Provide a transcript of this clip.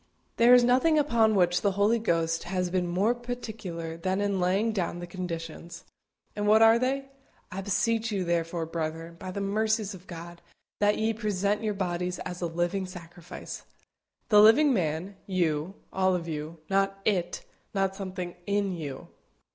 There is nothing upon which the Holy Ghost has been more particular than in laying down the conditions. And what are they? "I beseech you, therefore, brethren, by the mercies of God, that ye present your bodies a living sacrifice" the living man you, all of you; not it not something in you.